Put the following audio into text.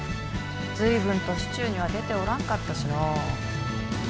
随分と市中には出ておらんかったしの。